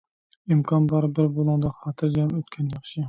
ئىمكان بار، بىر بۇلۇڭدا خاتىرجەم ئۆتكەن ياخشى.